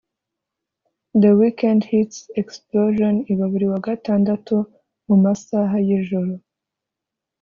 The weekend hits Explosion iba buri wa gatandatu mu masaha y’ijoro